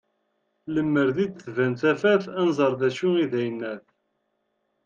Lemmer di d-tban tafat, ad nẓer d acu i d ayennat